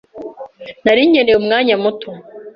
Nari nkeneye umwanya muto.